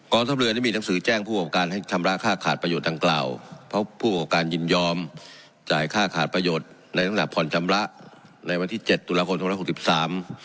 สำเรือนี่มีหนังสือแจ้งผู้ประกอบการให้ชำระค่าขาดประโยชน์ดังกล่าวเพราะผู้ประกอบการยินยอมจ่ายค่าขาดประโยชน์ในตั้งแต่ผ่อนชำระในวันที่เจ็ดตุลาคมสองร้อยหกสิบสาม